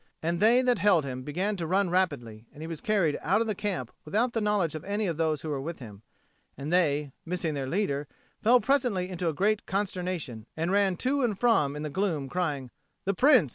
And they that held him began to run rapidly; and he was carried out of the camp without the knowledge of any of those who were with him, and they, missing their leader, fell presently into a great consternation, and ran to and from in the gloom crying, "The Prince?